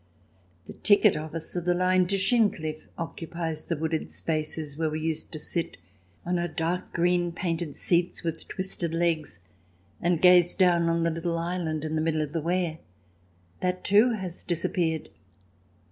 The ticket office of the CH. vi] BEER GARDENS 69 line to Shincliffe occupies the wooded spaces where we used to sit on our dark green painted seats with twisted legs, and gaze down on to the little island in the middle of the Wear. That, too, has dis appeared.